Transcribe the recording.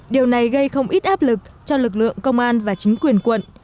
điều này gây không ít áp lực cho lực lượng công an và chính quyền quận